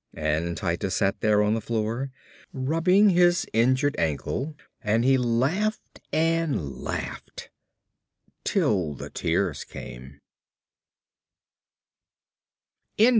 And Titus sat there on the floor rubbing his injured ankle and he laughed and laughed till the tears came.